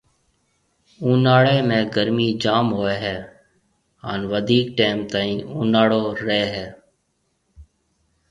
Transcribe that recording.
اُوناݪيَ ۾ گرمِي جام ھوئيَ ھيََََ ھان وڌيڪ ٽيم تائين اوناݪو رَي ھيََََ